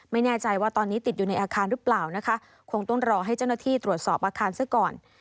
ไม่แน่ใจว่าตอนนี้ติดอยู่ในอาคารหรือเปล่านะคะคงต้องรอให้เจ้าหน้าที่ตรวจสอบอาคารซะก่อน